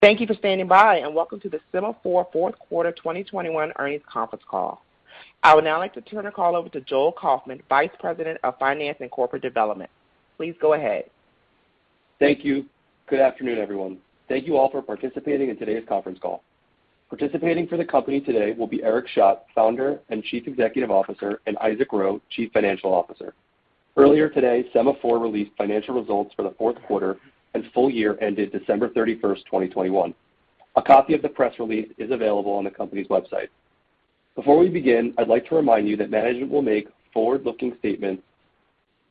Thank you for standing by, and welcome to the Sema4 Q4 2021 earnings conference call. I would now like to turn the call over to Joel Kaufman, Vice President of Finance and Corporate Development. Please go ahead. Thank you. Good afternoon, everyone. Thank you all for participating in today's conference call. Participating for the company today will be Eric Schadt, Founder and Chief Executive Officer, and Isaac Ro, Chief Financial Officer. Earlier today, Sema4 released financial results for the Q4 and full year ended December 31, 2021. A copy of the press release is available on the company's website. Before we begin, I'd like to remind you that management will make forward-looking statements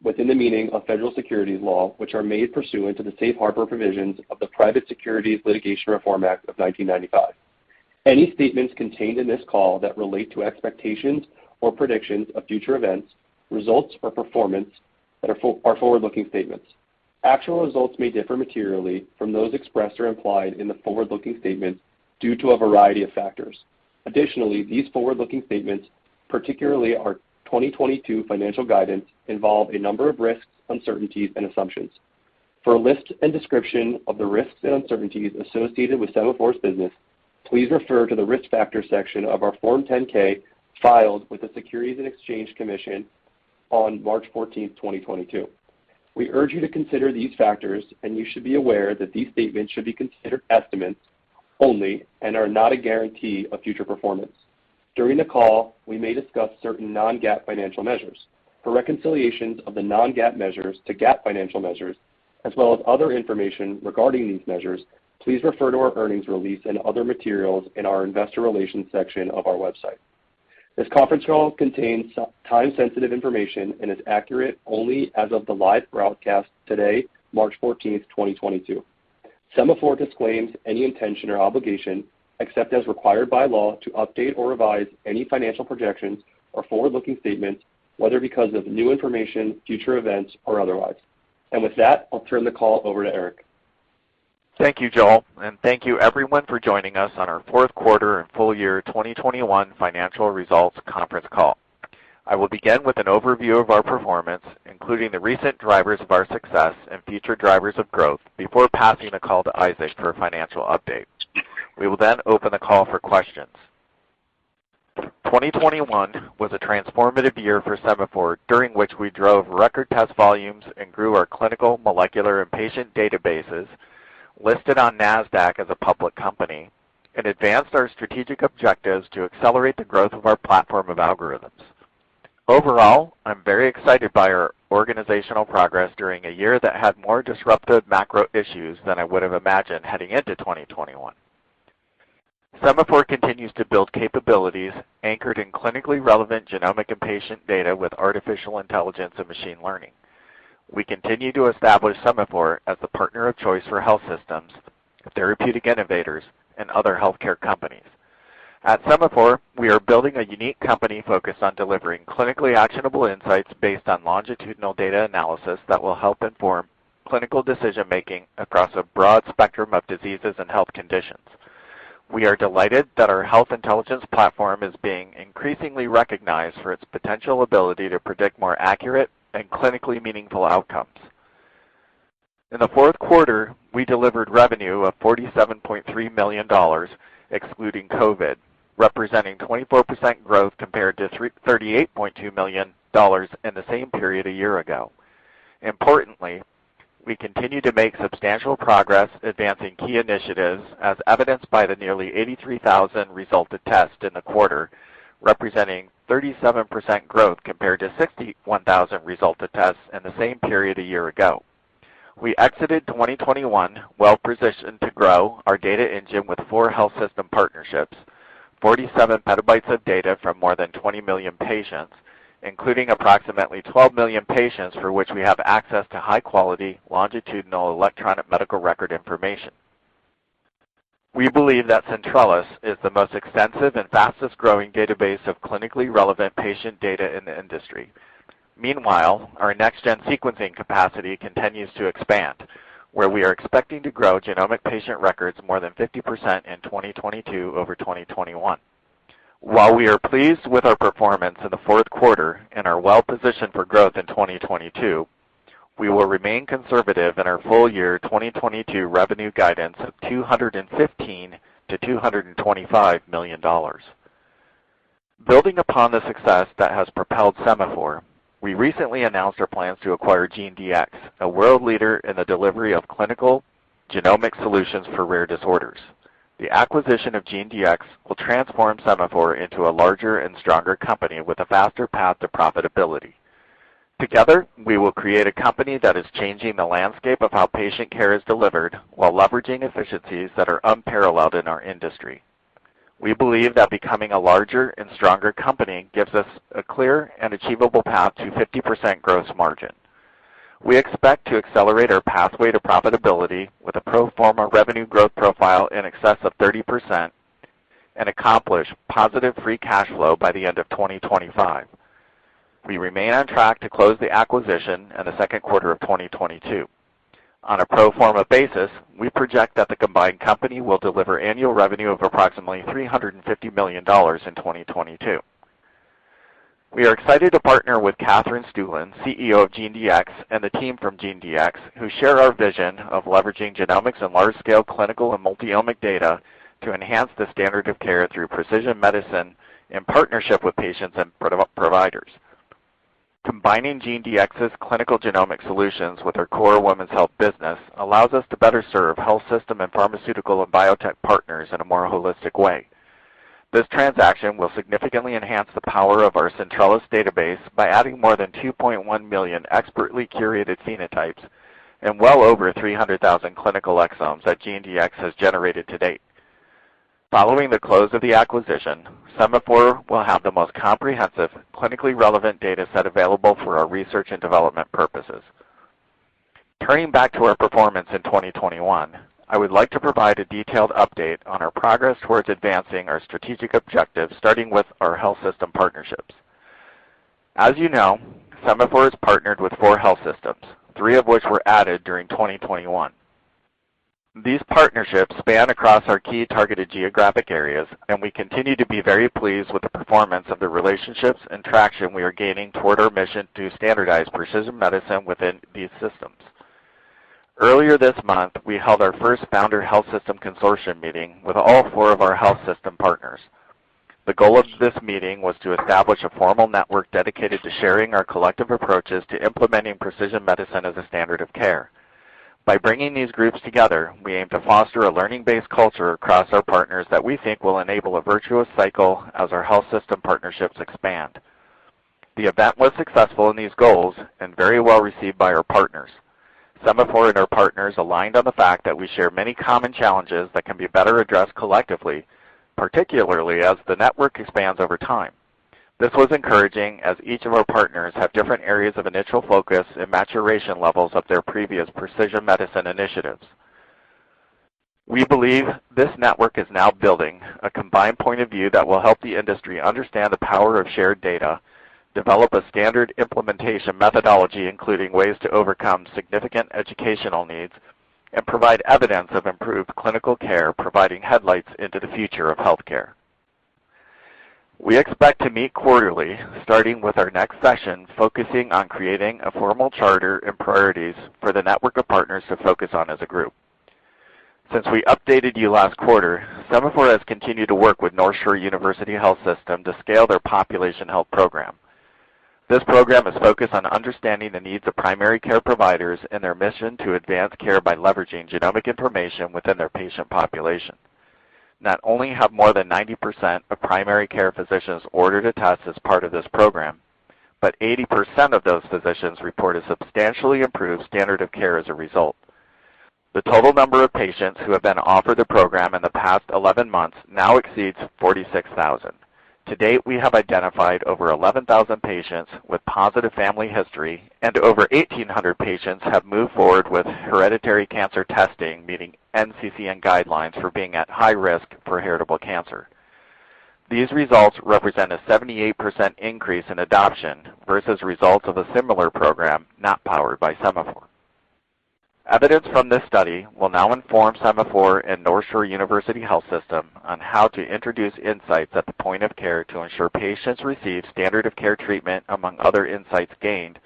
within the meaning of federal securities law, which are made pursuant to the safe harbor provisions of the Private Securities Litigation Reform Act of 1995. Any statements contained in this call that relate to expectations or predictions of future events, results, or performance are forward-looking statements. Actual results may differ materially from those expressed or implied in the forward-looking statements due to a variety of factors. Additionally, these forward-looking statements, particularly our 2022 financial guidance, involve a number of risks, uncertainties, and assumptions. For a list and description of the risks and uncertainties associated with Sema4's business, please refer to the Risk Factors section of our Form 10-K filed with the Securities and Exchange Commission on March 14, 2022. We urge you to consider these factors, and you should be aware that these statements should be considered estimates only and are not a guarantee of future performance. During the call, we may discuss certain non-GAAP financial measures. For reconciliations of the non-GAAP measures to GAAP financial measures, as well as other information regarding these measures, please refer to our earnings release and other materials in our Investor Relations section of our website. This conference call contains time-sensitive information and is accurate only as of the live broadcast today, March 14, 2022. Sema4 disclaims any intention or obligation, except as required by law, to update or revise any financial projections or forward-looking statements, whether because of new information, future events, or otherwise. With that, I'll turn the call over to Eric. Thank you, Joel. Thank you everyone for joining us on our Q4 and full year 2021 financial results conference call. I will begin with an overview of our performance, including the recent drivers of our success and future drivers of growth before passing the call to Isaac for a financial update. We will then open the call for questions. 2021 was a transformative year for Sema4, during which we drove record test volumes and grew our clinical, molecular, and patient databases listed on Nasdaq as a public company, and advanced our strategic objectives to accelerate the growth of our platform of algorithms. Overall, I'm very excited by our organizational progress during a year that had more disruptive macro issues than I would've imagined heading into 2021. Sema4 continues to build capabilities anchored in clinically relevant genomic and patient data with artificial intelligence and machine learning. We continue to establish Sema4 as the partner of choice for health systems, therapeutic innovators, and other healthcare companies. At Sema4, we are building a unique company focused on delivering clinically actionable insights based on longitudinal data analysis that will help inform clinical decision-making across a broad spectrum of diseases and health conditions. We are delighted that our health intelligence platform is being increasingly recognized for its potential ability to predict more accurate and clinically meaningful outcomes. In the Q4, we delivered revenue of $47.3 million excluding COVID, representing 24% growth compared to $38.2 million in the same period a year ago. Importantly, we continue to make substantial progress advancing key initiatives as evidenced by the nearly 83,000 resulted tests in the quarter, representing 37% growth compared to 61,000 resulted tests in the same period a year ago. We exited 2021 well-positioned to grow our data engine with four health system partnerships, 47 petabytes of data from more than 20 million patients, including approximately 12 million patients for which we have access to high-quality, longitudinal electronic medical record information. We believe that Centrellis is the most extensive and fastest-growing database of clinically relevant patient data in the industry. Meanwhile, our next gen sequencing capacity continues to expand, where we are expecting to grow genomic patient records more than 50% in 2022 over 2021. While we are pleased with our performance in the Q4 and are well-positioned for growth in 2022, we will remain conservative in our full year 2022 revenue guidance of $215 million-$225 million. Building upon the success that has propelled Sema4, we recently announced our plans to acquire GeneDx, a world leader in the delivery of clinical genomic solutions for rare disorders. The acquisition of GeneDx will transform Sema4 into a larger and stronger company with a faster path to profitability. Together, we will create a company that is changing the landscape of how patient care is delivered while leveraging efficiencies that are unparalleled in our industry. We believe that becoming a larger and stronger company gives us a clear and achievable path to 50% gross margin. We expect to accelerate our pathway to profitability with a pro forma revenue growth profile in excess of 30% and accomplish positive free cash flow by the end of 2025. We remain on track to close the acquisition in the Q2 of 2022. On a pro forma basis, we project that the combined company will deliver annual revenue of approximately $350 million in 2022. We are excited to partner with Katherine Stueland, CEO of GeneDx, and the team from GeneDx, who share our vision of leveraging genomics and large-scale clinical and multi-omic data to enhance the standard of care through precision medicine in partnership with patients and providers. Combining GeneDx's clinical genomic solutions with our core women's health business allows us to better serve health system and pharmaceutical and biotech partners in a more holistic way. This transaction will significantly enhance the power of our Centrellis database by adding more than 2.1 million expertly curated phenotypes and well over 300,000 clinical exomes that GeneDx has generated to date. Following the close of the acquisition, Sema4 will have the most comprehensive, clinically relevant data set available for our research and development purposes. Turning back to our performance in 2021, I would like to provide a detailed update on our progress towards advancing our strategic objectives, starting with our health system partnerships. As you know, Sema4 is partnered with four health systems, three of which were added during 2021. These partnerships span across our key targeted geographic areas, and we continue to be very pleased with the performance of the relationships and traction we are gaining toward our mission to standardize precision medicine within these systems. Earlier this month, we held our first founder health system consortium meeting with all four of our health system partners. The goal of this meeting was to establish a formal network dedicated to sharing our collective approaches to implementing precision medicine as a standard of care. By bringing these groups together, we aim to foster a learning-based culture across our partners that we think will enable a virtuous cycle as our health system partnerships expand. The event was successful in these goals and very well received by our partners. Sema4 and our partners aligned on the fact that we share many common challenges that can be better addressed collectively, particularly as the network expands over time. This was encouraging as each of our partners have different areas of initial focus and maturation levels of their previous precision medicine initiatives. We believe this network is now building a combined point of view that will help the industry understand the power of shared data, develop a standard implementation methodology, including ways to overcome significant educational needs, and provide evidence of improved clinical care, providing headlights into the future of healthcare. We expect to meet quarterly, starting with our next session, focusing on creating a formal charter and priorities for the network of partners to focus on as a group. Since we updated you last quarter, Sema4 has continued to work with NorthShore University HealthSystem to scale their population health program. This program is focused on understanding the needs of primary care providers and their mission to advance care by leveraging genomic information within their patient population. Not only have more than 90% of primary care physicians ordered a test as part of this program, but 80% of those physicians report a substantially improved standard of care as a result. The total number of patients who have been offered the program in the past 11 months now exceeds 46,000. To date, we have identified over 11,000 patients with positive family history and over 1,800 patients have moved forward with hereditary cancer testing, meeting NCCN guidelines for being at high risk for heritable cancer. These results represent a 78% increase in adoption versus results of a similar program not powered by Sema4. Evidence from this study will now inform Sema4 and NorthShore University HealthSystem on how to introduce insights at the point of care to ensure patients receive standard of care treatment, among other insights gained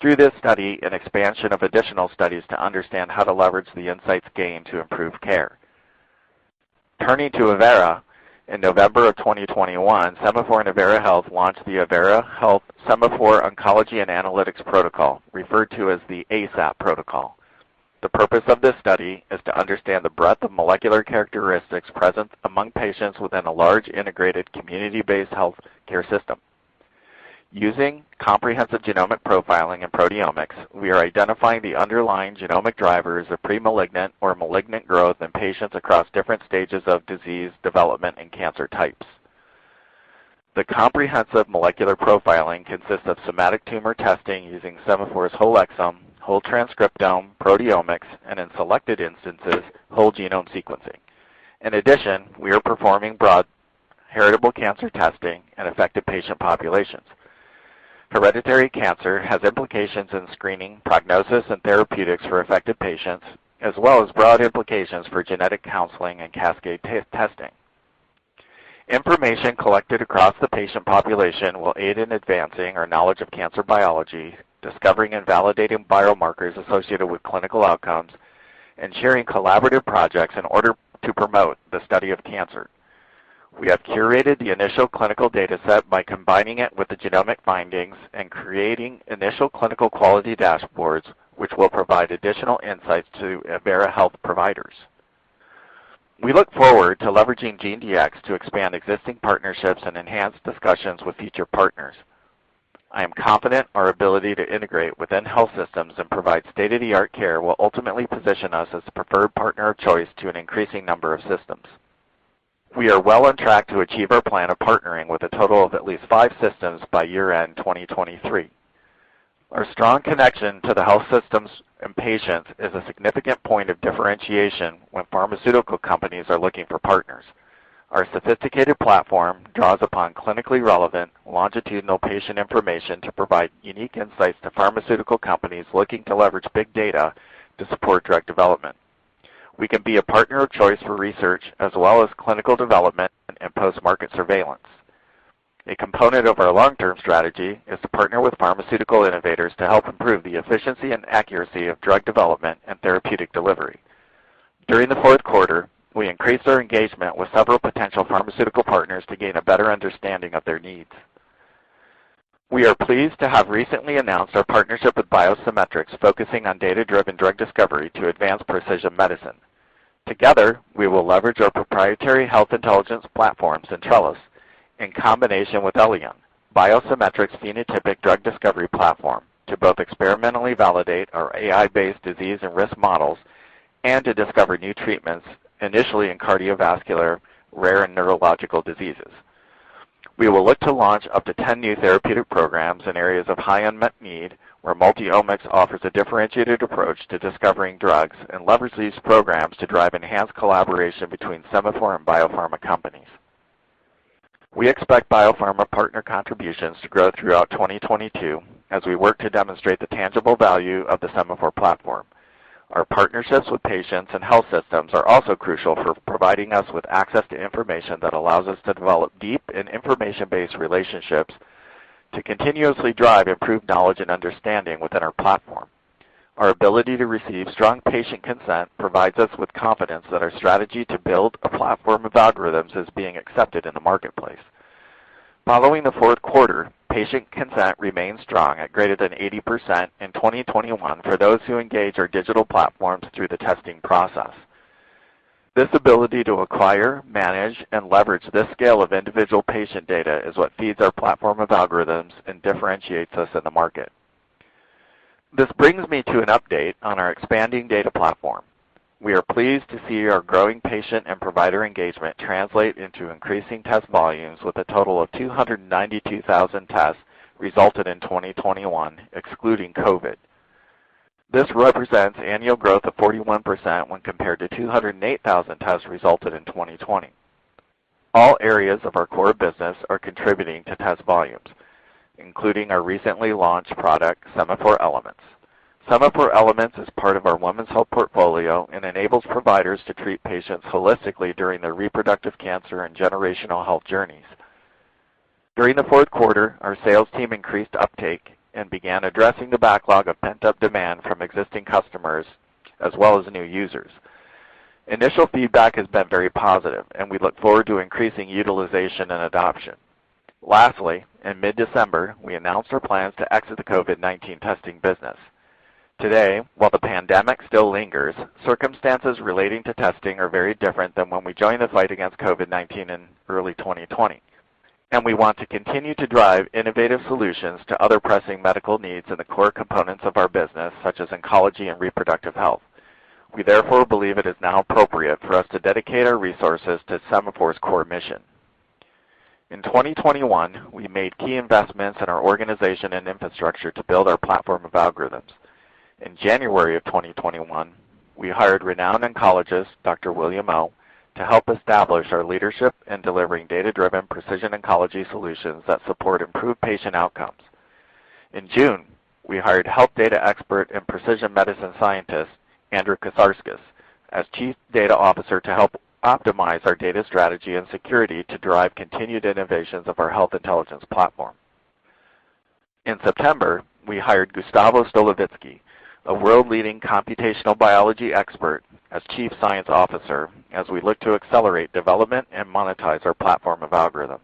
through this study and expansion of additional studies to understand how to leverage the insights gained to improve care. Turning to Avera, in November of 2021, Sema4 and Avera Health launched the Avera Health Sema4 Oncology and Analytics Protocol, referred to as the ASAP protocol. The purpose of this study is to understand the breadth of molecular characteristics present among patients within a large, integrated, community-based healthcare system. Using comprehensive genomic profiling and proteomics, we are identifying the underlying genomic drivers of pre-malignant or malignant growth in patients across different stages of disease development and cancer types. The comprehensive molecular profiling consists of somatic tumor testing using Sema4's whole exome, whole transcriptome, proteomics, and in selected instances, whole genome sequencing. In addition, we are performing broad heritable cancer testing in affected patient populations. Hereditary cancer has implications in screening, prognosis, and therapeutics for affected patients, as well as broad implications for genetic counseling and cascade re-testing. Information collected across the patient population will aid in advancing our knowledge of cancer biology, discovering and validating biomarkers associated with clinical outcomes, and sharing collaborative projects in order to promote the study of cancer. We have curated the initial clinical data set by combining it with the genomic findings and creating initial clinical quality dashboards, which will provide additional insights to Avera Health providers. We look forward to leveraging GeneDx to expand existing partnerships and enhance discussions with future partners. I am confident our ability to integrate within health systems and provide state-of-the-art care will ultimately position us as a preferred partner of choice to an increasing number of systems. We are well on track to achieve our plan of partnering with a total of at least five systems by year-end 2023. Our strong connection to the health systems and patients is a significant point of differentiation when pharmaceutical companies are looking for partners. Our sophisticated platform draws upon clinically relevant, longitudinal patient information to provide unique insights to pharmaceutical companies looking to leverage big data to support drug development. We can be a partner of choice for research as well as clinical development and post-market surveillance. A component of our long-term strategy is to partner with pharmaceutical innovators to help improve the efficiency and accuracy of drug development and therapeutic delivery. During the Q4, we increased our engagement with several potential pharmaceutical partners to gain a better understanding of their needs. We are pleased to have recently announced our partnership with BioSymetrics, focusing on data-driven drug discovery to advance precision medicine. Together, we will leverage our proprietary health intelligence platform, Centrellis, in combination with Elion, BioSymetrics's phenotypic drug discovery platform, to both experimentally validate our AI-based disease and risk models and to discover new treatments, initially in cardiovascular, rare, and neurological diseases. We will look to launch up to 10 new therapeutic programs in areas of high unmet need, where Multiomics offers a differentiated approach to discovering drugs and leverage these programs to drive enhanced collaboration between Sema4 and biopharma companies. We expect biopharma partner contributions to grow throughout 2022 as we work to demonstrate the tangible value of the Sema4 platform. Our partnerships with patients and health systems are also crucial for providing us with access to information that allows us to develop deep and information-based relationships to continuously drive improved knowledge and understanding within our platform. Our ability to receive strong patient consent provides us with confidence that our strategy to build a platform of algorithms is being accepted in the marketplace. Following the Q4, patient consent remains strong at greater than 80% in 2021 for those who engage our digital platforms through the testing process. This ability to acquire, manage, and leverage this scale of individual patient data is what feeds our platform of algorithms and differentiates us in the market. This brings me to an update on our expanding data platform. We are pleased to see our growing patient and provider engagement translate into increasing test volumes with a total of 292,000 tests resulted in 2021, excluding COVID. This represents annual growth of 41% when compared to 208,000 tests resulted in 2020. All areas of our core business are contributing to test volumes, including our recently launched product, Sema4 Elements. Sema4 Elements is part of our women's health portfolio and enables providers to treat patients holistically during their reproductive cancer and generational health journeys. During the Q4, our sales team increased uptake and began addressing the backlog of pent-up demand from existing customers as well as new users. Initial feedback has been very positive, and we look forward to increasing utilization and adoption. Lastly, in mid-December, we announced our plans to exit the COVID-19 testing business. Today, while the pandemic still lingers, circumstances relating to testing are very different than when we joined the fight against COVID-19 in early 2020, and we want to continue to drive innovative solutions to other pressing medical needs in the core components of our business, such as oncology and reproductive health. We therefore believe it is now appropriate for us to dedicate our resources to Sema4's core mission. In 2021, we made key investments in our organization and infrastructure to build our platform of algorithms. In January of 2021, we hired renowned oncologist, Dr. William Oh, to help establish our leadership in delivering data-driven precision oncology solutions that support improved patient outcomes. In June, we hired health data expert and precision medicine scientist, Andrew Kasarskis, as Chief Data Officer to help optimize our data strategy and security to drive continued innovations of our health intelligence platform. In September, we hired Gustavo Stolovitzky, a world-leading computational biology expert, as Chief Science Officer as we look to accelerate development and monetize our platform of algorithms.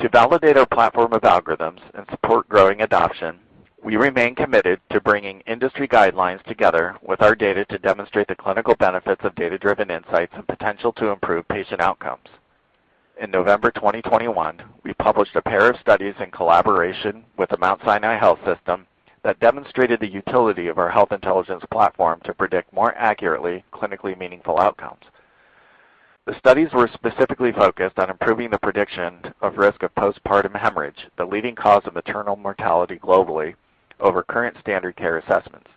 To validate our platform of algorithms and support growing adoption, we remain committed to bringing industry guidelines together with our data to demonstrate the clinical benefits of data-driven insights and potential to improve patient outcomes. In November 2021, we published a pair of studies in collaboration with the Mount Sinai Health System that demonstrated the utility of our health intelligence platform to predict more accurately clinically meaningful outcomes. The studies were specifically focused on improving the prediction of risk of postpartum hemorrhage, the leading cause of maternal mortality globally, over current standard care assessments.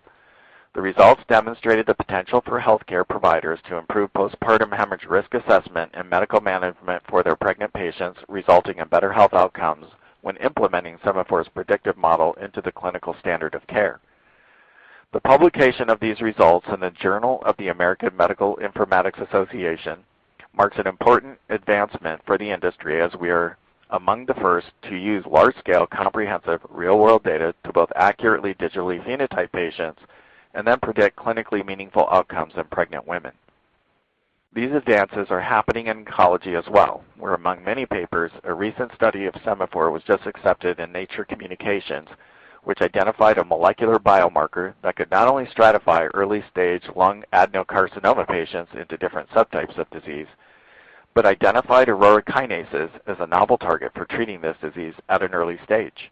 The results demonstrated the potential for healthcare providers to improve postpartum hemorrhage risk assessment and medical management for their pregnant patients, resulting in better health outcomes when implementing Sema4's predictive model into the clinical standard of care. The publication of these results in the Journal of the American Medical Informatics Association marks an important advancement for the industry as we are among the first to use large-scale, comprehensive, real-world data to both accurately digitally phenotype patients and then predict clinically meaningful outcomes in pregnant women. These advances are happening in oncology as well, where among many papers, a recent study of Sema4 was just accepted in Nature Communications, which identified a molecular biomarker that could not only stratify early-stage lung adenocarcinoma patients into different subtypes of disease, but identified aurora kinases as a novel target for treating this disease at an early stage.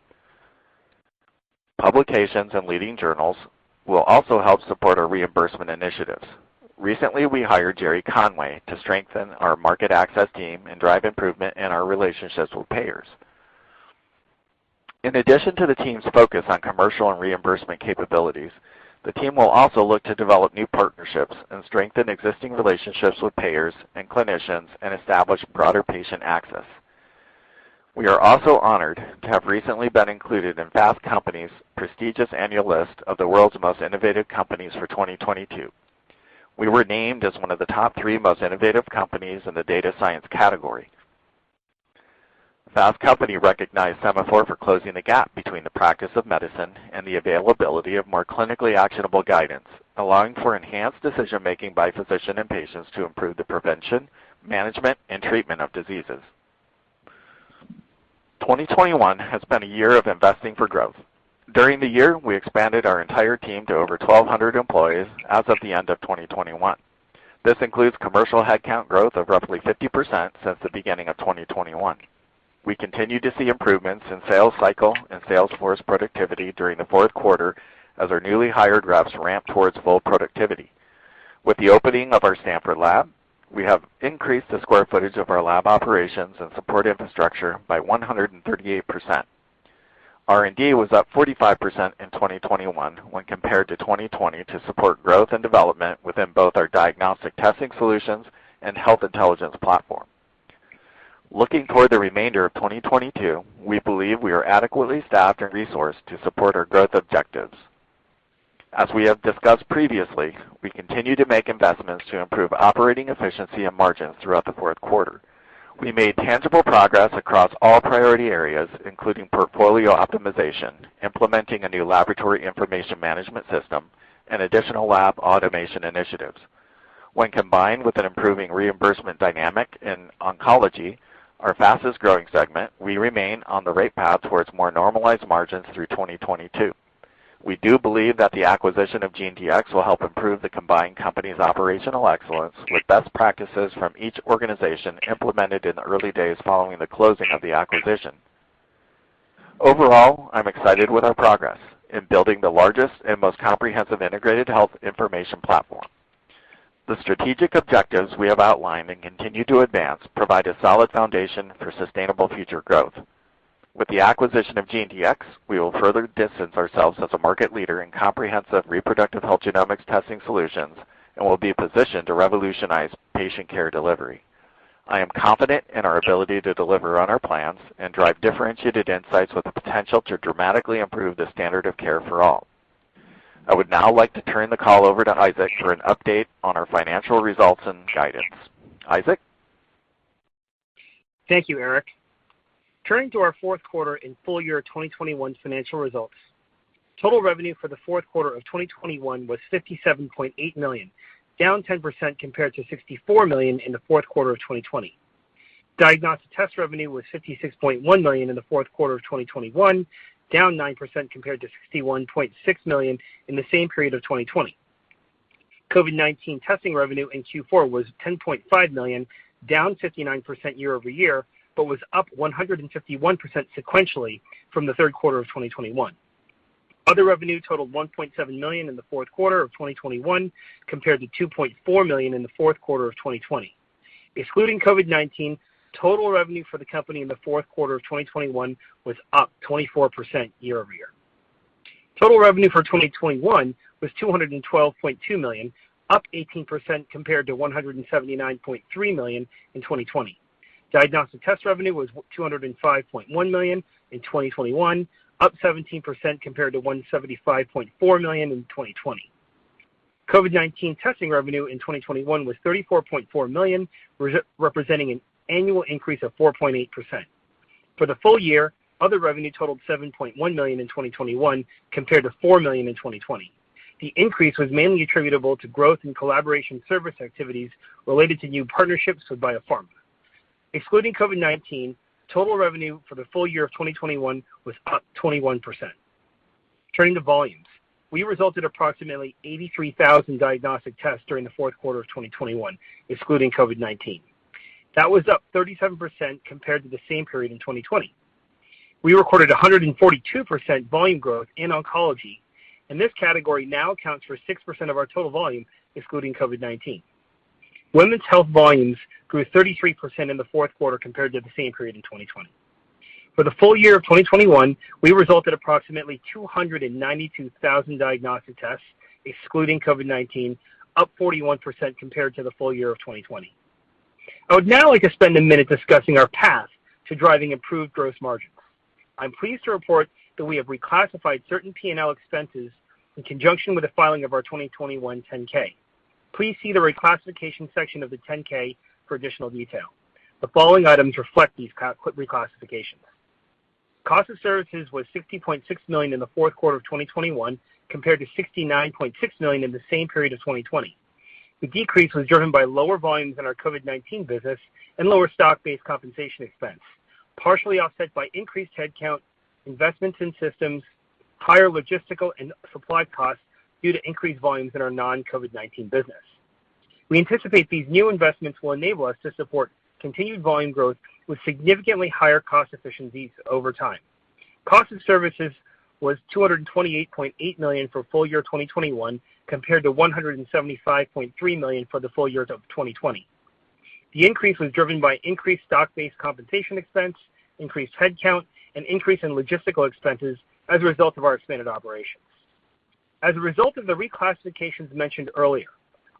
Publications in leading journals will also help support our reimbursement initiatives. Recently, we hired Jerry Conway to strengthen our market access team and drive improvement in our relationships with payers. In addition to the team's focus on commercial and reimbursement capabilities, the team will also look to develop new partnerships and strengthen existing relationships with payers and clinicians and establish broader patient access. We are also honored to have recently been included in Fast Company's prestigious annual list of the world's most innovative companies for 2022. We were named as one of the top three most innovative companies in the data science category. Fast Company recognized Sema4 for closing the gap between the practice of medicine and the availability of more clinically actionable guidance, allowing for enhanced decision-making by physicians and patients to improve the prevention, management, and treatment of diseases. 2021 has been a year of investing for growth. During the year, we expanded our entire team to over 1,200 employees as of the end of 2021. This includes commercial headcount growth of roughly 50% since the beginning of 2021. We continue to see improvements in sales cycle and sales force productivity during the Q4 as our newly hired reps ramp towards full productivity. With the opening of our Stamford lab, we have increased the square footage of our lab operations and support infrastructure by 138%. R&D was up 45% in 2021 when compared to 2020 to support growth and development within both our diagnostic testing solutions and health intelligence platform. Looking toward the remainder of 2022, we believe we are adequately staffed and resourced to support our growth objectives. As we have discussed previously, we continue to make investments to improve operating efficiency and margins throughout the Q4. We made tangible progress across all priority areas, including portfolio optimization, implementing a new laboratory information management system, and additional lab automation initiatives. When combined with an improving reimbursement dynamic in oncology, our fastest-growing segment, we remain on the right path towards more normalized margins through 2022. We do believe that the acquisition of GeneDx will help improve the combined company's operational excellence with best practices from each organization implemented in the early days following the closing of the acquisition. Overall, I'm excited with our progress in building the largest and most comprehensive integrated health information platform. The strategic objectives we have outlined and continue to advance provide a solid foundation for sustainable future growth. With the acquisition of GeneDx, we will further distance ourselves as a market leader in comprehensive reproductive health genomics testing solutions and will be positioned to revolutionize patient care delivery. I am confident in our ability to deliver on our plans and drive differentiated insights with the potential to dramatically improve the standard of care for all. I would now like to turn the call over to Isaac for an update on our financial results and guidance. Isaac? Thank you, Eric. Turning to our Q4 and full year 2021 financial results, total revenue for the Q4 of 2021 was $57.8 million, down 10% compared to $64 million in the Q4 of 2020. Diagnostic test revenue was $56.1 million in the Q4 of 2021, down 9% compared to $61.6 million in the same period of 2020. COVID-19 testing revenue in Q4 was $10.5 million, down 59% year-over-year, but was up 151% sequentially from the Q3 of 2021. Other revenue totaled $1.7 million in the Q4 of 2021 compared to $2.4 million in the Q4 of 2020. Excluding COVID-19, total revenue for the company in the Q4 of 2021 was up 24% year-over-year. Total revenue for 2021 was $212.2 million, up 18% compared to $179.3 million in 2020. Diagnostic test revenue was $205.1 million in 2021, up 17% compared to $175.4 million in 2020. COVID-19 testing revenue in 2021 was $34.4 million, representing an annual increase of 4.8%. For the full year, other revenue totaled $7.1 million in 2021 compared to $4 million in 2020. The increase was mainly attributable to growth in collaboration service activities related to new partnerships with biopharma. Excluding COVID-19, total revenue for the full year of 2021 was up 21%. Turning to volumes. We resulted approximately 83,000 diagnostic tests during the Q4 of 2021, excluding COVID-19. That was up 37% compared to the same period in 2020. We recorded a 142% volume growth in oncology, and this category now accounts for 6% of our total volume, excluding COVID-19. Women's health volumes grew 33% in the Q4 compared to the same period in 2020. For the full year of 2021, we resulted approximately 292,000 diagnostic tests, excluding COVID-19, up 41% compared to the full year of 2020. I would now like to spend a minute discussing our path to driving improved gross margins. I'm pleased to report that we have reclassified certain P&L expenses in conjunction with the filing of our 2021 10-K. Please see the reclassification section of the 10-K for additional detail. The following items reflect these reclassifications. Cost of services was $60.6 million in the Q4 of 2021 compared to $69.6 million in the same period of 2020. The decrease was driven by lower volumes in our COVID-19 business and lower stock-based compensation expense, partially offset by increased headcount, investments in systems, higher logistical and supply costs due to increased volumes in our non-COVID-19 business. We anticipate these new investments will enable us to support continued volume growth with significantly higher cost efficiencies over time. Cost of services was $228.8 million for full year 2021 compared to $175.3 million for the full year of 2020. The increase was driven by increased stock-based compensation expense, increased headcount, and increase in logistical expenses as a result of our expanded operations. As a result of the reclassifications mentioned earlier,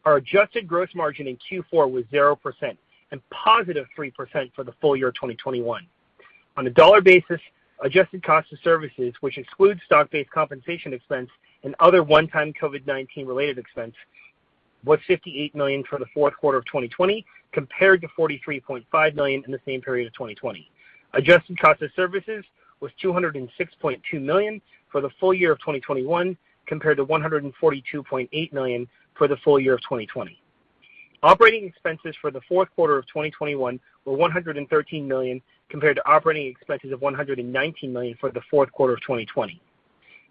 our adjusted gross margin in Q4 was 0% and positive 3% for the full year 2021. On a dollar basis, adjusted cost of services, which excludes stock-based compensation expense and other one-time COVID-19 related expense, was $58 million for the Q4 of 2020 compared to $43.5 million in the same period of 2020. Adjusted cost of services was $206.2 million for the full year of 2021 compared to $142.8 million for the full year of 2020. Operating expenses for the Q4 of 2021 were $113 million compared to operating expenses of $119 million for the Q4 of 2020.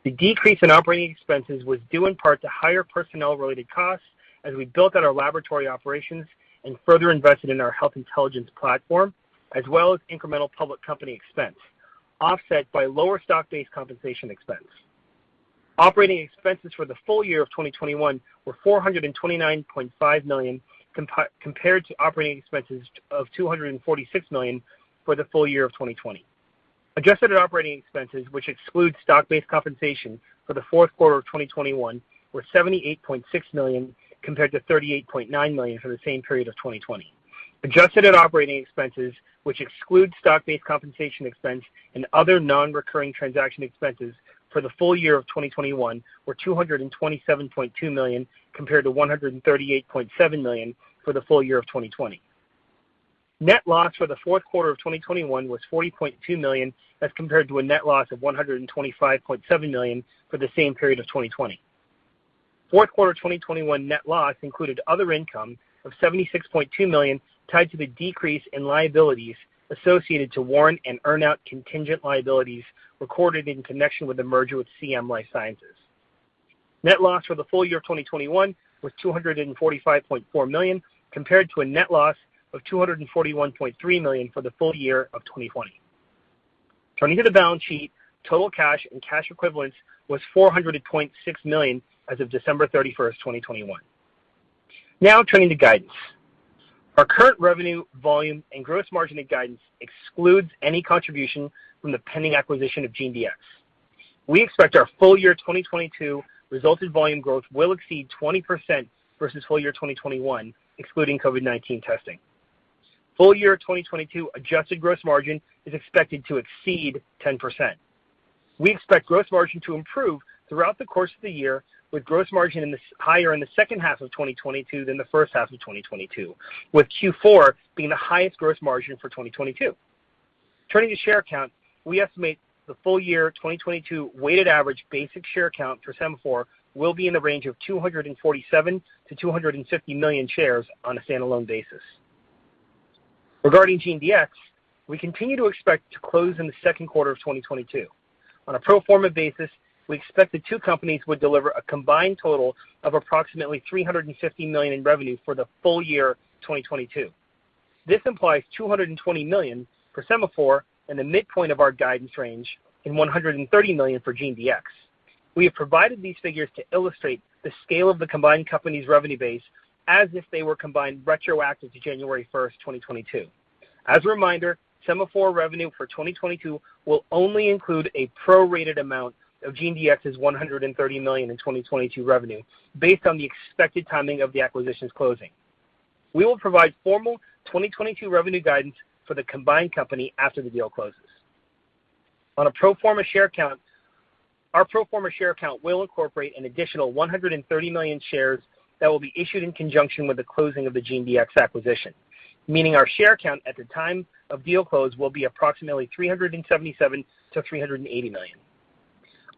The decrease in operating expenses was due in part to higher personnel-related costs as we built out our laboratory operations and further invested in our health intelligence platform, as well as incremental public company expense, offset by lower stock-based compensation expense. Operating expenses for the full year of 2021 were $429.5 million compared to operating expenses of $246 million for the full year of 2020. Adjusted operating expenses, which excludes stock-based compensation for the Q4 of 2021, were $78.6 million compared to $38.9 million for the same period of 2020. Adjusted operating expenses, which excludes stock-based compensation expense and other non-recurring transaction expenses for the full year of 2021 were $227.2 million compared to $138.7 million for the full year of 2020. Net loss for the Q4 of 2021 was $40.2 million as compared to a net loss of $125.7 million for the same period of 2020. Q4 2021 net loss included other income of $76.2 million tied to the decrease in liabilities associated to warrant and earn-out contingent liabilities recorded in connection with the merger with CM Life Sciences. Net loss for the full year of 2021 was $245.4 million compared to a net loss of $241.3 million for the full year of 2020. Turning to the balance sheet, total cash and cash equivalents was $404.6 million as of December 31, 2021. Now turning to guidance. Our current revenue, volume, and gross margin guidance excludes any contribution from the pending acquisition of GeneDx. We expect our full year 2022 test volume growth will exceed 20% versus full year 2021, excluding COVID-19 testing. Full year 2022 adjusted gross margin is expected to exceed 10%. We expect gross margin to improve throughout the course of the year, with gross margin higher in the H2 of 2022 than the H1 of 2022, with Q4 being the highest gross margin for 2022. Turning to share count, we estimate the full year 2022 weighted average basic share count for Sema4 will be in the range of 247-250 million shares on a standalone basis. Regarding GeneDx, we continue to expect to close in the Q2 of 2022. On a pro forma basis, we expect the two companies would deliver a combined total of approximately $350 million in revenue for the full year 2022. This implies $220 million for Sema4 and the midpoint of our guidance range is $130 million for GeneDx. We have provided these figures to illustrate the scale of the combined company's revenue base as if they were combined retroactive to January 1, 2022. As a reminder, Sema4 revenue for 2022 will only include a prorated amount of GeneDx's $130 million in 2022 revenue based on the expected timing of the acquisition's closing. We will provide formal 2022 revenue guidance for the combined company after the deal closes. On a pro forma share count, our pro forma share count will incorporate an additional 130 million shares that will be issued in conjunction with the closing of the GeneDx acquisition, meaning our share count at the time of deal close will be approximately 377-380 million.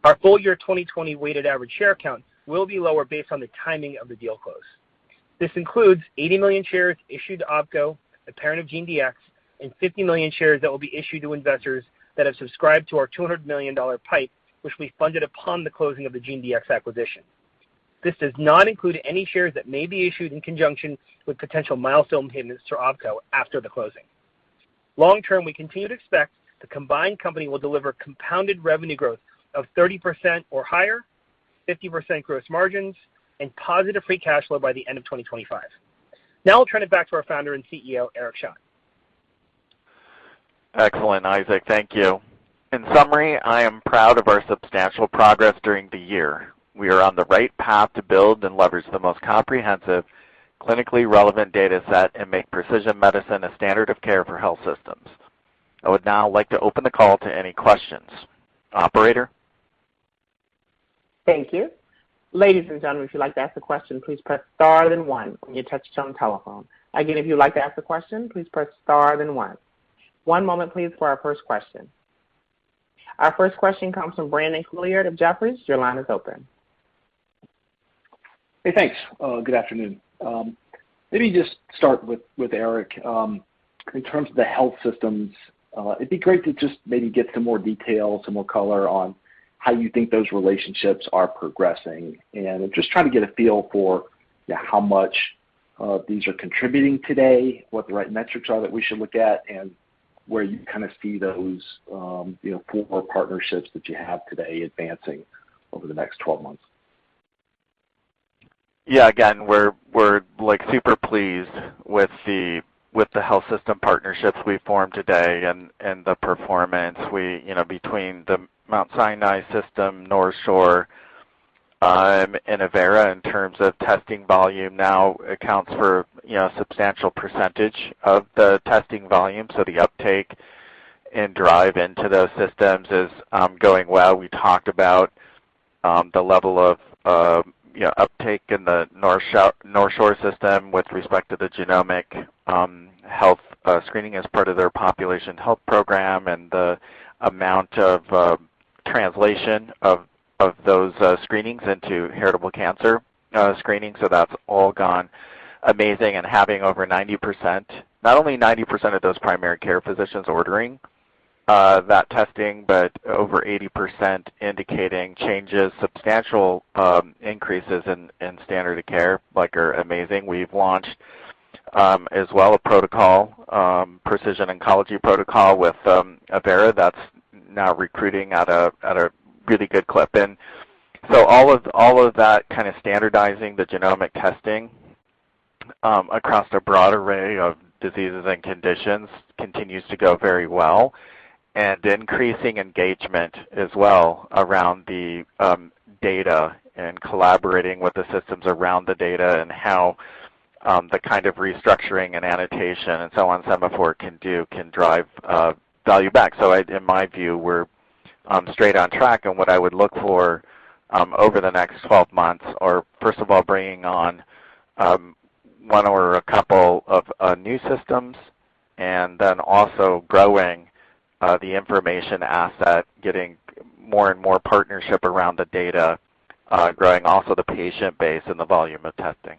Our full year 2020 weighted average share count will be lower based on the timing of the deal close. This includes 80 million shares issued to Opko, the parent of GeneDx, and 50 million shares that will be issued to investors that have subscribed to our $200 million PIPE, which we funded upon the closing of the GeneDx acquisition. This does not include any shares that may be issued in conjunction with potential milestone payments to Opko after the closing. Long term, we continue to expect the combined company will deliver compounded revenue growth of 30% or higher, 50% gross margins, and positive free cash flow by the end of 2025. Now I'll turn it back to our Founder and CEO, Eric Schadt. Excellent, Isaac. Thank you. In summary, I am proud of our substantial progress during the year. We are on the right path to build and leverage the most comprehensive, clinically relevant data set and make precision medicine a standard of care for health systems. I would now like to open the call to any questions. Operator. Thank you. Ladies and gentlemen, if you'd like to ask a question, please press star then one on your touchtone telephone. Again, if you'd like to ask a question, please press star then one. One moment, please, for our first question. Our first question comes from Brandon Couillard of Jefferies. Your line is open. Hey, thanks. Good afternoon. Let me just start with Eric. In terms of the health systems, it'd be great to just maybe get some more detail, some more color on how you think those relationships are progressing. Just trying to get a feel for how much these are contributing today, what the right metrics are that we should look at, and where you kind of see those core partnerships that you have today advancing over the next 12 months. Yeah, again, we're like super pleased with the health system partnerships we've formed today and the performance. We between the Mount Sinai Health System, NorthShore, and Avera in terms of testing volume now accounts for a substantial percentage of the testing volume. So the uptake and drive into those systems is going well. We talked about the level of uptake in the NorthShore system with respect to the genomic health screening as part of their population health program and the amount of translation of those screenings into heritable cancer screening. So that's all gone amazing and having over 90%, not only 90% of those primary care physicians ordering that testing, but over 80% indicating changes, substantial increases in standard of care, like are amazing. We've launched as well a protocol, precision oncology protocol with Avera that's now recruiting at a really good clip. All of that kind of standardizing the genomic testing across a broad array of diseases and conditions continues to go very well. Increasing engagement as well around the data and collaborating with the systems around the data and how the kind of restructuring and annotation and so on Sema4 can do can drive value back. In my view, we're straight on track. What I would look for over the next 12 months are, first of all, bringing on one or a couple of new systems and then also growing the information asset, getting more and more partnership around the data, growing also the patient base and the volume of testing.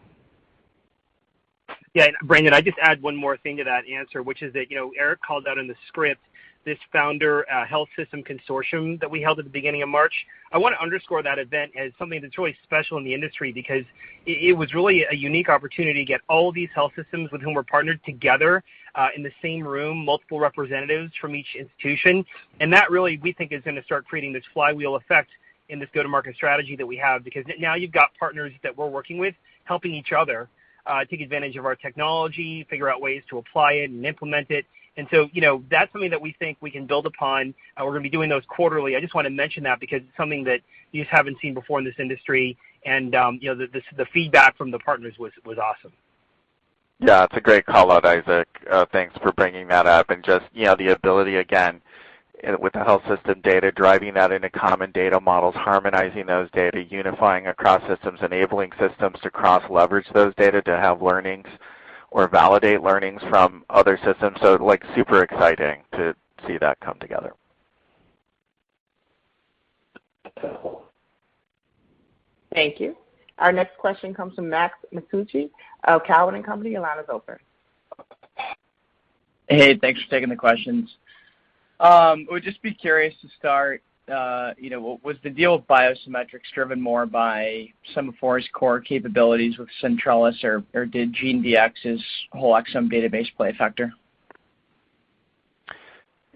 Yeah, Brandon, I'd just add one more thing to that answer, which is that Eric called out in the script this founder health system consortium that we held at the beginning of March. I wanna underscore that event as something that's really special in the industry because it was really a unique opportunity to get all these health systems with whom we're partnered together in the same room, multiple representatives from each institution. That really, we think, is gonna start creating this flywheel effect in this go-to-market strategy that we have because now you've got partners that we're working with helping each other take advantage of our technology, figure out ways to apply it and implement it. that's something that we think we can build upon, and we're gonna be doing those quarterly. I just wanna mention that because it's something that you just haven't seen before in this industry and the feedback from the partners was awesome. Yeah, it's a great call out, Isaac. Thanks for bringing that up. Just the ability, again, with the health system data, driving that into common data models, harmonizing those data, unifying across systems, enabling systems to cross-leverage those data to have learnings or validate learnings from other systems. Like super exciting to see that come together. Thank you. Our next question comes from Max Masucci of Cowen and Company. Your line is open. Hey, thanks for taking the questions. Would just be curious to start was the deal with BioSymetrics driven more by Sema4's core capabilities with Centrellis or did GeneDx's whole exome database play a factor?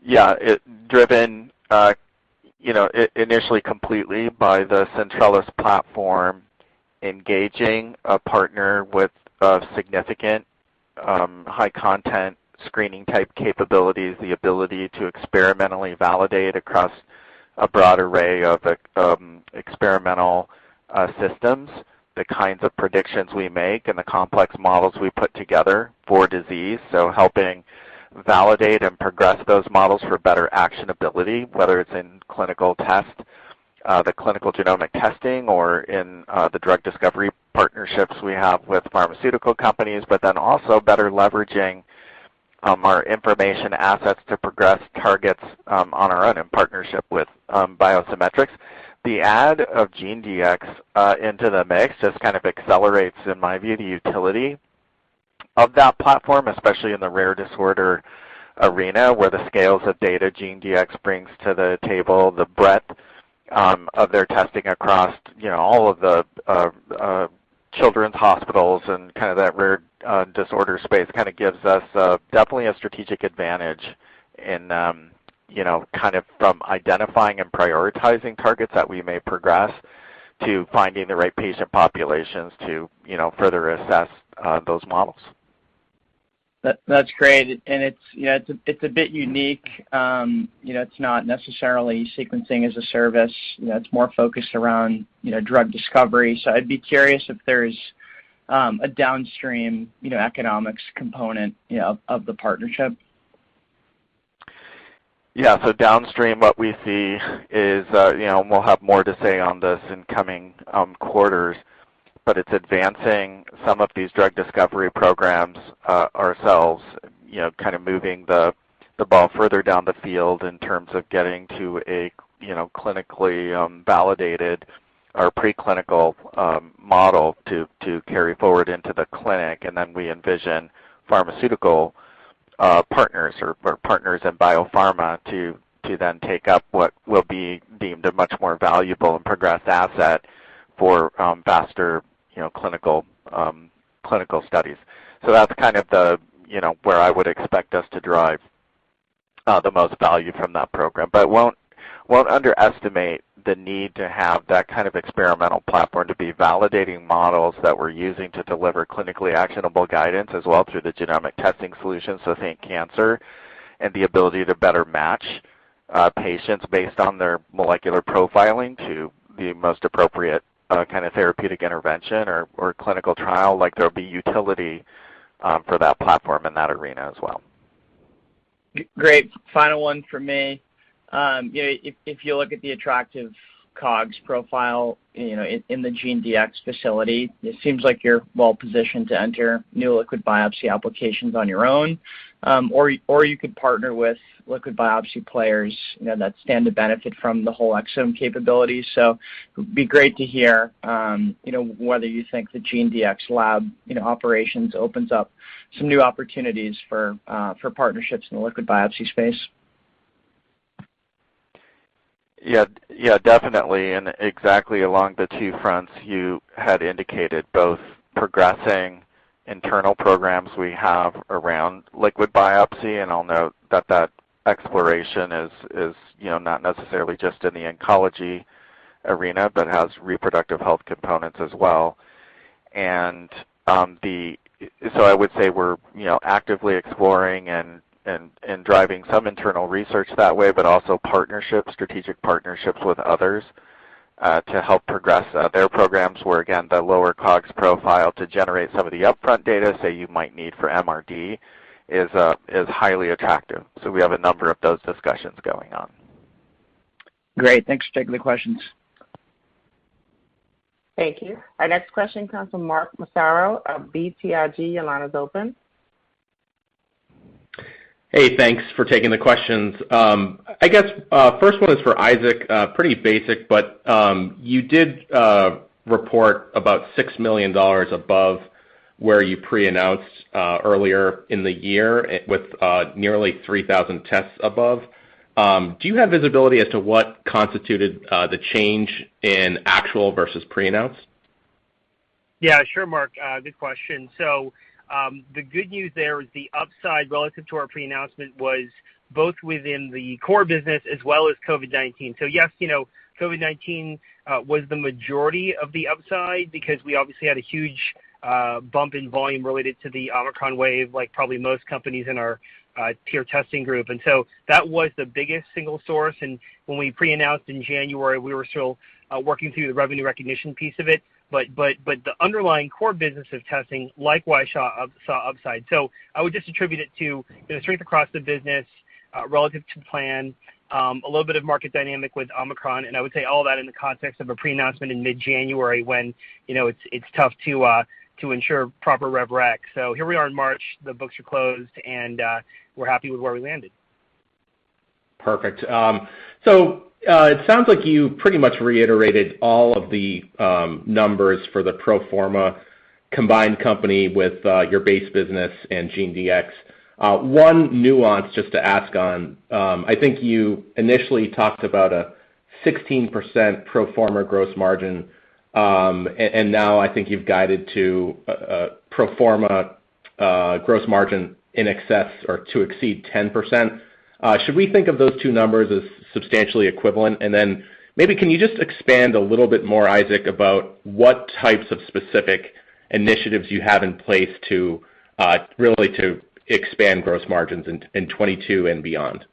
Yeah, AI-driven initially completely by the Centrellis platform engaging a partner with a significant high content screening type capabilities, the ability to experimentally validate across a broad array of experimental systems, the kinds of predictions we make and the complex models we put together for disease. Helping validate and progress those models for better actionability, whether it's in clinical testing, the clinical genomic testing or in the drug discovery partnerships we have with pharmaceutical companies, but then also better leveraging our information assets to progress targets on our own in partnership with BioSymetrics. The add of GeneDx into the mix just kind of accelerates, in my view, the utility of that platform, especially in the rare disorder arena, where the scales of data GeneDx brings to the table, the breadth of their testing across, all of the children's hospitals and kind of that rare disorder space kind of gives us definitely a strategic advantage in kind of from identifying and prioritizing targets that we may progress to finding the right patient populations to further assess those models. That's great. It's it's a bit unique. it's not necessarily sequencing as a service. it's more focused around drug discovery. I'd be curious if there's a downstream economics component of the partnership. Yeah. Downstream, what we see is and we'll have more to say on this in coming quarters, but it's advancing some of these drug discovery programs ourselves kind of moving the ball further down the field in terms of getting to a clinically validated or preclinical model to carry forward into the clinic. And then we envision pharmaceutical partners or partners in biopharma to then take up what will be deemed a much more valuable and progressed asset for faster clinical studies. That's kind of the where I would expect us to drive the most value from that program. We won't underestimate the need to have that kind of experimental platform to be validating models that we're using to deliver clinically actionable guidance as well through the genomic testing solutions. Think cancer and the ability to better match patients based on their molecular profiling to the most appropriate kind of therapeutic intervention or clinical trial. Like, there'll be utility for that platform in that arena as well. Great. Final one for me. if you look at the attractive COGS profile in the GeneDx facility, it seems like you're well positioned to enter new liquid biopsy applications on your own, or you could partner with liquid biopsy players that stand to benefit from the whole exome capability. It'd be great to hear whether you think the GeneDx lab, operations opens up some new opportunities for partnerships in the liquid biopsy space. Yeah. Yeah, definitely. Exactly along the two fronts you had indicated, both progressing internal programs we have around liquid biopsy, and I'll note that that exploration is, not necessarily just in the oncology arena, but has reproductive health components as well. I would say we're, actively exploring and driving some internal research that way, but also partnerships, strategic partnerships with others, to help progress their programs where, again, the lower COGS profile to generate some of the upfront data, say, you might need for MRD is highly attractive. We have a number of those discussions going on. Great. Thanks for taking the questions. Thank you. Our next question comes from Mark Massaro of BTIG. Your line is open. Hey, thanks for taking the questions. I guess first one is for Isaac, pretty basic, but you did report about $6 million above where you pre-announced earlier in the year with nearly 3,000 tests above. Do you have visibility as to what constituted the change in actual versus pre-announced? Yeah, sure Mark. Good question. The good news there is the upside relative to our pre-announcement was both within the core business as well as COVID-19. Yes, COVID-19 was the majority of the upside because we obviously had a huge bump in volume related to the Omicron wave, like probably most companies in our peer testing group. That was the biggest single source. When we pre-announced in January, we were still working through the revenue recognition piece of it. The underlying core business of testing likewise saw upside. I would just attribute it to the strength across the business, relative to plan, a little bit of market dynamic with Omicron, and I would say all that in the context of a pre-announcement in mid-January when, it's tough to ensure proper rev rec. Here we are in March, the books are closed, and we're happy with where we landed. Perfect. So, it sounds like you pretty much reiterated all of the numbers for the pro forma combined company with your base business and GeneDx. One nuance just to ask on, I think you initially talked about a 16% pro forma gross margin, and now I think you've guided to a pro forma gross margin in excess or to exceed 10%. Should we think of those two numbers as substantially equivalent? And then maybe can you just expand a little bit more, Isaac, about what types of specific initiatives you have in place to really expand gross margins in 2022 and beyond?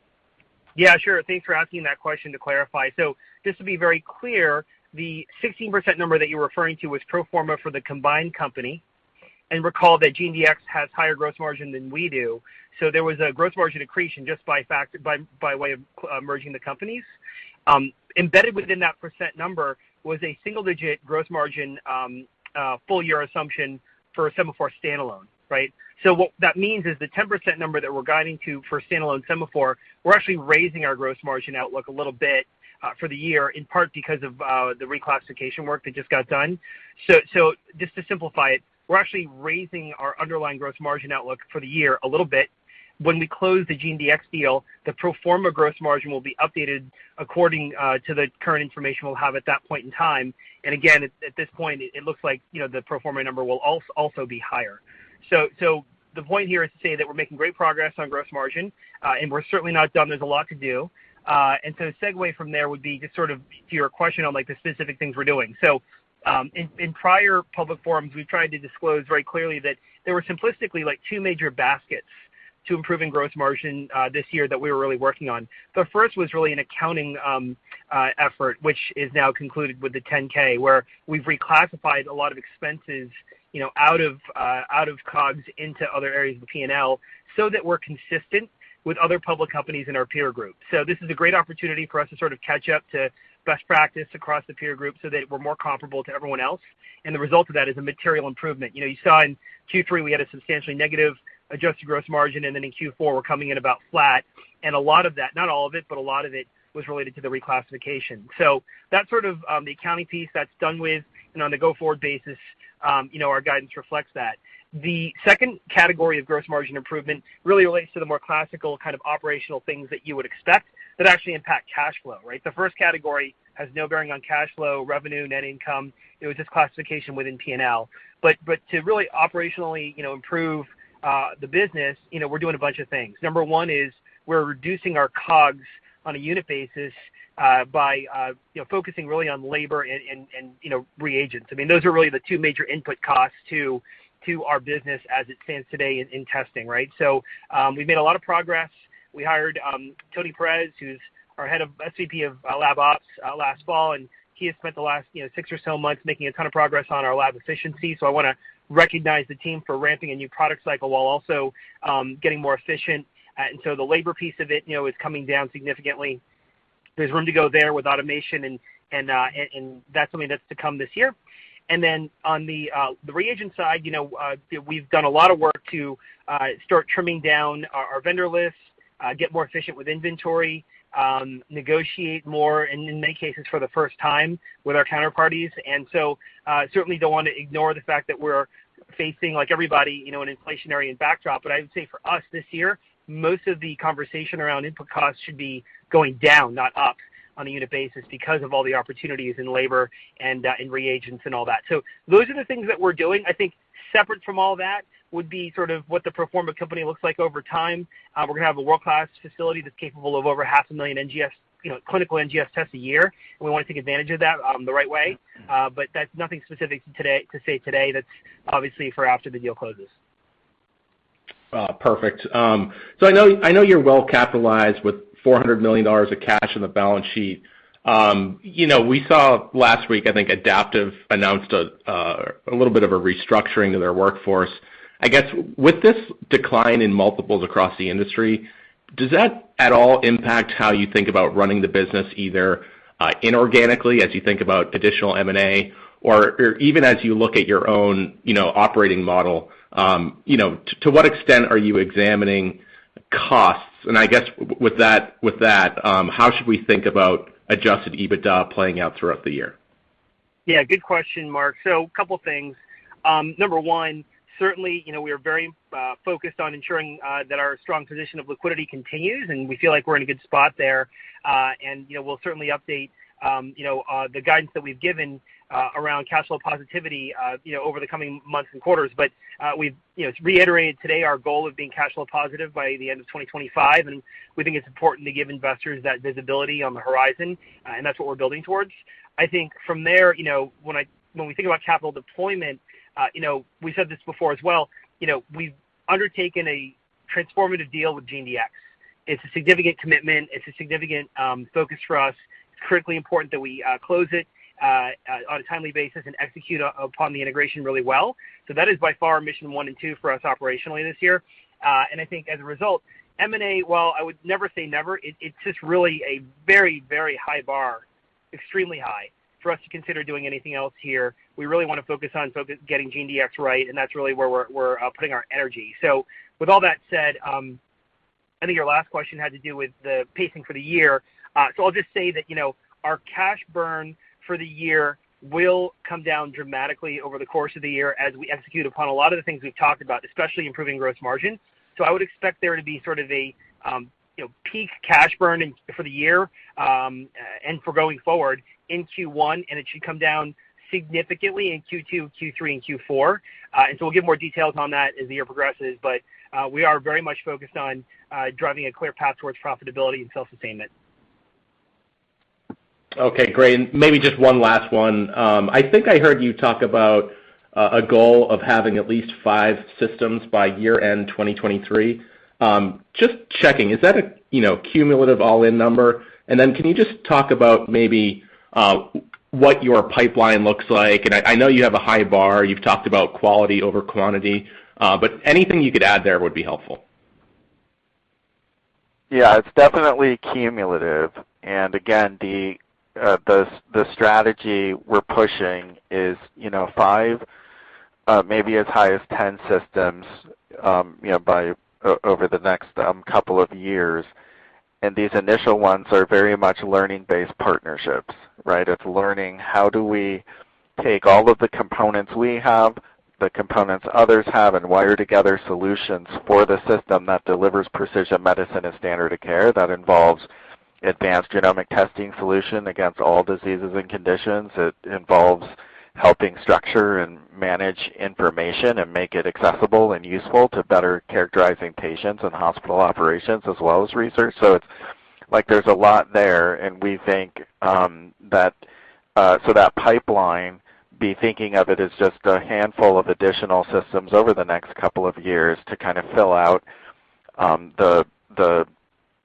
Yeah, sure. Thanks for asking that question to clarify. Just to be very clear, the 16% number that you're referring to was pro forma for the combined company, and recall that GeneDx has higher gross margin than we do. There was a gross margin accretion just by way of merging the companies. Embedded within that percent number was a single-digit gross margin full year assumption for Sema4 standalone, right? What that means is the 10% number that we're guiding to for standalone Sema4, we're actually raising our gross margin outlook a little bit for the year, in part because of the reclassification work that just got done. Just to simplify it, we're actually raising our underlying gross margin outlook for the year a little bit. When we close the GeneDx deal, the pro forma gross margin will be updated according to the current information we'll have at that point in time. Again, at this point, it looks like, the pro forma number will also be higher. The point here is to say that we're making great progress on gross margin, and we're certainly not done. There's a lot to do. The segue from there would be just sort of to your question on, like, the specific things we're doing. In prior public forums, we've tried to disclose very clearly that there were simplistically, like, two major baskets to improving gross margin this year that we were really working on. The first was really an accounting effort, which is now concluded with the 10-K, where we've reclassified a lot of expenses, out of COGS into other areas of the P&L so that we're consistent with other public companies in our peer group. This is a great opportunity for us to sort of catch up to best practice across the peer group so that we're more comparable to everyone else. The result of that is a material improvement. you saw in Q3 we had a substantially negative adjusted gross margin, and then in Q4 we're coming in about flat. A lot of that, not all of it, but a lot of it was related to the reclassification. That's sort of the accounting piece that's done with. On a go-forward basis, our guidance reflects that. The second category of gross margin improvement really relates to the more classical kind of operational things that you would expect that actually impact cash flow, right? The first category has no bearing on cash flow, revenue, net income. It was just classification within P&L. But to really operationally, improve the business, we're doing a bunch of things. Number one is we're reducing our COGS on a unit basis, by focusing really on labor and reagents. I mean, those are really the two major input costs to our business as it stands today in testing, right? We've made a lot of progress. We hired Tony Perez, who's our SVP of lab ops last fall, and he has spent the last, six or so months making a ton of progress on our lab efficiency. I wanna recognize the team for ramping a new product cycle while also getting more efficient. The labor piece of it, is coming down significantly. There's room to go there with automation and that's something that's to come this year. On the reagent side,, we've done a lot of work to start trimming down our vendor lists, get more efficient with inventory, negotiate more, and in many cases, for the first time with our counterparties. Certainly don't want to ignore the fact that we're facing, like everybody,, an inflationary backdrop. But I would say for us this year, most of the conversation around input costs should be going down, not up, on a unit basis because of all the opportunities in labor and in reagents and all that. Those are the things that we're doing. I think separate from all that would be sort of what the pro forma company looks like over time. We're gonna have a world-class facility that's capable of over 500,000 NGS,, clinical NGS tests a year, and we wanna take advantage of that, the right way. But that's nothing specific to today. That's obviously for after the deal closes. I know you're well capitalized with $400 million of cash on the balance sheet. , we saw last week, I think Adaptive announced a little bit of a restructuring of their workforce. I guess, with this decline in multiples across the industry, does that at all impact how you think about running the business, either inorganically as you think about additional M&A or even as you look at your own, operating model, to what extent are you examining costs? I guess with that, how should we think about adjusted EBITDA playing out throughout the year? Yeah, good question, Mark. Couple things. Number one, certainly, we are very focused on ensuring that our strong position of liquidity continues, and we feel like we're in a good spot there. we'll certainly update the guidance that we've given around cash flow positivity over the coming months and quarters. We've reiterated today our goal of being cash flow positive by the end of 2025, and we think it's important to give investors that visibility on the horizon, and that's what we're building towards. I think from there when we think about capital deployment we've undertaken a transformative deal with GeneDx. It's a significant commitment. It's a significant focus for us. It's critically important that we close it on a timely basis and execute upon the integration really well. That is by far mission one and two for us operationally this year. I think as a result, M&A, while I would never say never, it's just really a very, very high bar, extremely high for us to consider doing anything else here. We really wanna focus on getting GeneDx right, and that's really where we're putting our energy. With all that said, I think your last question had to do with the pacing for the year. I'll just say that our cash burn for the year will come down dramatically over the course of the year as we execute upon a lot of the things we've talked about, especially improving gross margin. I would expect there to be sort of a peak cash burn for the year and for going forward in Q1, and it should come down significantly in Q2, Q3, and Q4. We'll give more details on that as the year progresses, but we are very much focused on driving a clear path towards profitability and self-sustainment. Okay, great. Maybe just one last one. I think I heard you talk about a goal of having at least five systems by year end 2023. Just checking, is that a cumulative all-in number? Then can you just talk about maybe what your pipeline looks like? I know you have a high bar. You've talked about quality over quantity. Anything you could add there would be helpful. Yeah, it's definitely cumulative. Again, the strategy we're pushing is 5, maybe as high as 10 systems by over the next couple of years. These initial ones are very much learning-based partnerships, right? It's learning how do we take all of the components we have, the components others have, and wire together solutions for the system that delivers precision medicine as standard of care. That involves advanced genomic testing solution against all diseases and conditions. It involves helping structure and manage information and make it accessible and useful to better characterizing patients and hospital operations as well as research. Like, there's a lot there, and we think that, so think of that pipeline as just a handful of additional systems over the next couple of years to kind of fill out the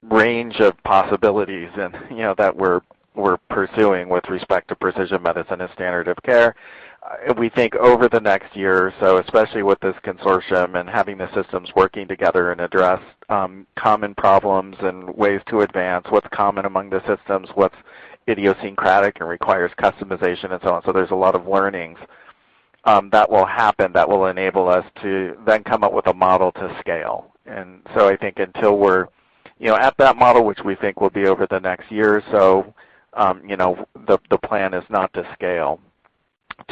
range of possibilities and that we're pursuing with respect to precision medicine as standard of care. We think over the next year or so, especially with this consortium and having the systems working together and addressing common problems and ways to advance what's common among the systems, what's idiosyncratic and requires customization and so on. There's a lot of learnings that will happen that will enable us to then come up with a model to scale. I think until we're at that model, which we think will be over the next year or so the plan is not to scale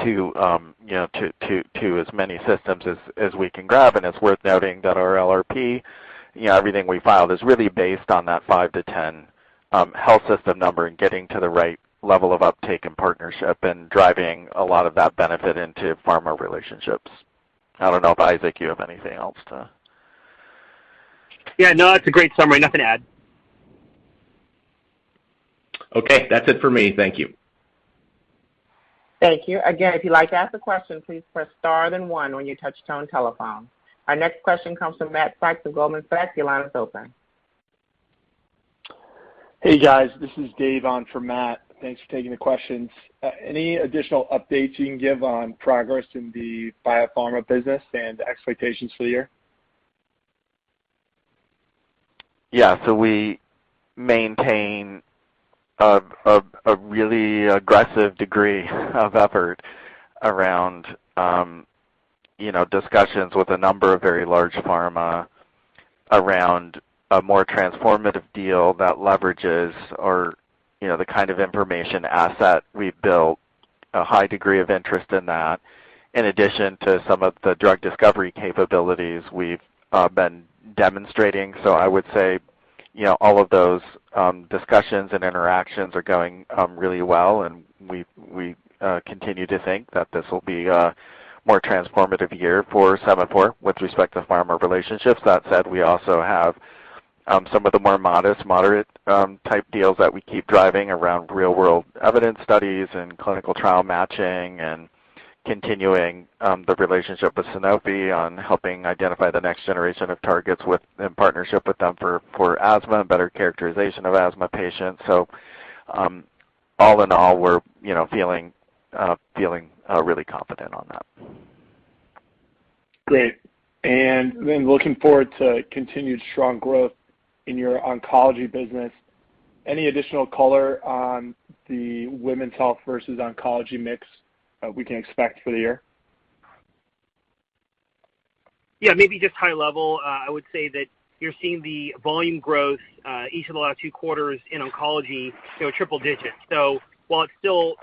to as many systems as we can grab. It's worth noting that our LRP everything we filed is really based on that 5-10 health system number and getting to the right level of uptake and partnership and driving a lot of that benefit into pharma relationships. I don't know if, Isaac, you have anything else to... Yeah, no, that's a great summary. Nothing to add. Okay. That's it for me. Thank you. Thank you. Again, if you'd like to ask a question, please press star then one on your touchtone telephone. Our next question comes from Matt Sykes of Goldman Sachs. Your line is open. Hey, guys. This is Dave on for Matt. Thanks for taking the questions. Any additional updates you can give on progress in the biopharma business and expectations for the year? Yeah. We maintain a really aggressive degree of effort around discussions with a number of very large pharma around a more transformative deal that leverages the kind of information asset we've built, a high degree of interest in that, in addition to some of the drug discovery capabilities we've been demonstrating. I would say all of those discussions and interactions are going really well, and we continue to think that this will be a more transformative year for Sema4 with respect to pharma relationships. That said, we also have some of the more modest, moderate type deals that we keep driving around real-world evidence studies and clinical trial matching and continuing the relationship with Sanofi on helping identify the next generation of targets in partnership with them for asthma and better characterization of asthma patients. All in all, we're feeling really confident on that. Great. Looking forward to continued strong growth in your oncology business, any additional color on the women's health versus oncology mix, we can expect for the year? Yeah. Maybe just high level, I would say that you're seeing the volume growth, each of the last two quarters in oncology triple digits. While it's still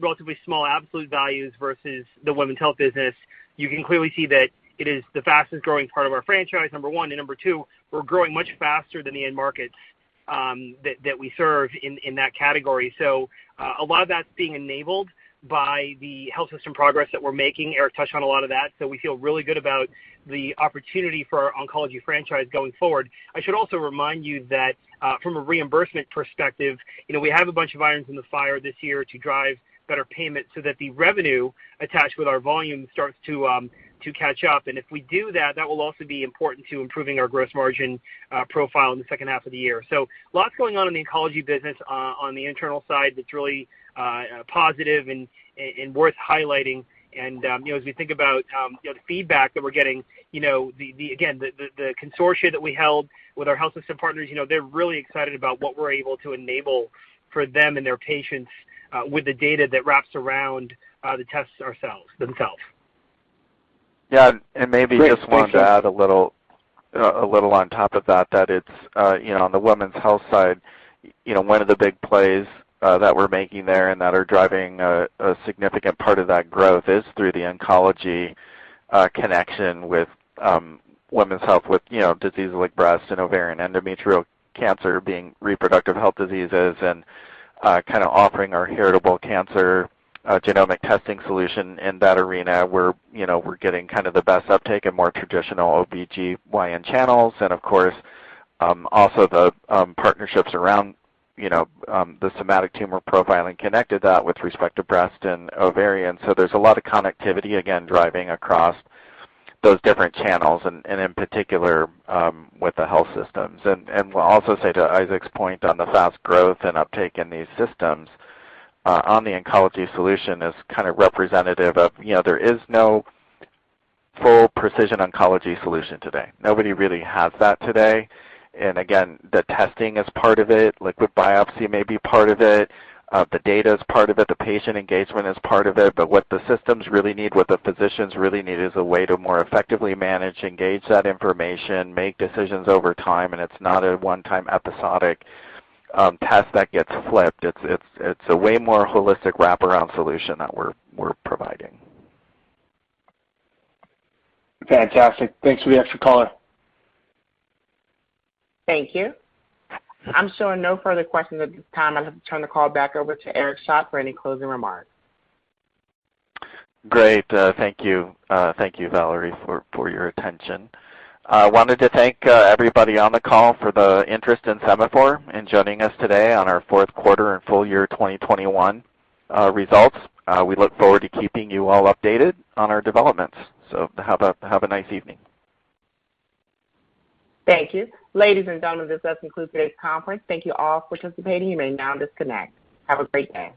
relatively small absolute values versus the women's health business, you can clearly see that it is the fastest-growing part of our franchise, number one. Number two, we're growing much faster than the end markets that we serve in that category. A lot of that's being enabled by the health system progress that we're making. Eric touched on a lot of that. We feel really good about the opportunity for our oncology franchise going forward. I should also remind you that, from a reimbursement perspective we have a bunch of irons in the fire this year to drive better payment so that the revenue attached with our volume starts to catch up. If we do that will also be important to improving our gross margin profile in the H2 of the year. Lots going on in the oncology business on the internal side that's really positive and worth highlighting. As we think about the feedback that we're getting the consortium that we held with our health system partners, they're really excited about what we're able to enable for them and their patients with the data that wraps around the tests themselves. Yeah. Maybe just want to add a little on top of that it's on the women's health side one of the big plays that we're making there and that are driving a significant part of that growth is through the oncology connection with women's health, with diseases like breast and ovarian, endometrial cancer being reproductive health diseases and kind of offering our heritable cancer genomic testing solution in that arena where we're getting kind of the best uptake in more traditional OBGYN channels. Of course, also the partnerships around the somatic tumor profiling connected that with respect to breast and ovarian. There's a lot of connectivity, again, driving across those different channels and in particular with the health systems. We'll also say to Isaac's point on the fast growth and uptake in these systems on the oncology solution is kind of representative of there is no full precision oncology solution today. Nobody really has that today. Again, the testing is part of it. Liquid biopsy may be part of it. The data is part of it. The patient engagement is part of it. But what the systems really need, what the physicians really need is a way to more effectively manage, engage that information, make decisions over time, and it's not a one-time episodic test that gets flipped. It's a way more holistic wraparound solution that we're providing. Fantastic. Thanks for the extra color. Thank you. I'm showing no further questions at this time. I'll turn the call back over to Eric Schadt for any closing remarks. Great. Thank you. Thank you, Valerie, for your attention. Wanted to thank everybody on the call for the interest in Sema4 and joining us today on our Q4 and full year 2021 results. We look forward to keeping you all updated on our developments. Have a nice evening. Thank you. Ladies and gentlemen, this does conclude today's conference. Thank you all for participating. You may now disconnect. Have a great day.